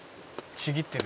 「ちぎってる」